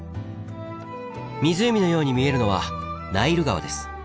湖のように見えるのはナイル川です。